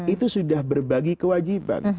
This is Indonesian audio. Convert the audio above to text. itu sudah berbagi kewajiban